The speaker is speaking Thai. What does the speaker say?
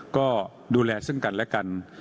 ก็ดูแลซึ่งกันและกัน